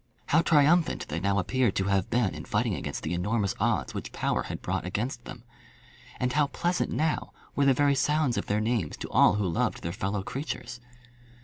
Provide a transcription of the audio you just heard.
How triumphant they now appeared to have been in fighting against the enormous odds which power had brought against them! And how pleasant now were the very sounds of their names to all who loved their fellow creatures!